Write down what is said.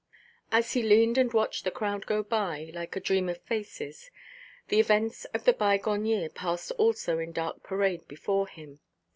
As he leaned and watched the crowd go by, like a dream of faces, the events of the bygone year passed also in dark parade before him.